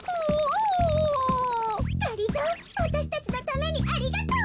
がりぞーわたしたちのためにありがとう。